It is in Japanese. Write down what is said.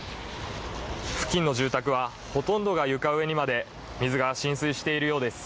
付近の住宅はほとんどが床上にまで水が浸水しているようです。